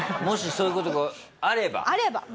もしそういう事があれば。